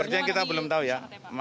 artinya kita belum tahu ya